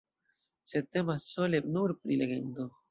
Sed temas sole nur pri legendo.